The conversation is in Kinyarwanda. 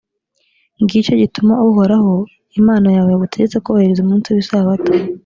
ngicyo igituma uhoraho imana yawe yagutegetse kubahiriza umunsi w’isabato.